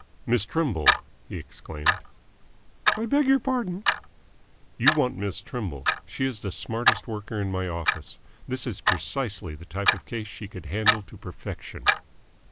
"Miss Trimble," he exclaimed. "I beg your pardon." "You want Miss Trimble. She is the smartest worker in my office. This is precisely the type of case she could handle to perfection."